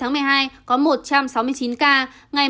ngày một mươi hai có một trăm sáu mươi chín ca